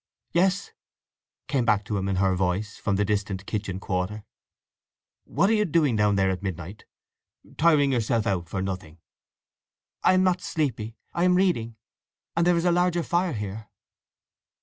"Yes!" came back to him in her voice, from the distant kitchen quarter. "What are you doing down there at midnight—tiring yourself out for nothing!" "I am not sleepy; I am reading; and there is a larger fire here."